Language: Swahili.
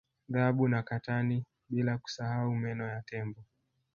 Dhahabu na katani bila kusahau meno ya Tembo